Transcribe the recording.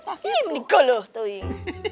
iiih menikah lu tuh iiih